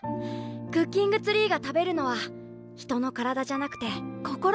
クッキングツリーが食べるのは人の体じゃなくて心みたい。